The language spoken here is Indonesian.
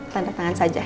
tanda tangan saja